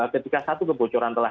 ketika satu kebocoran telah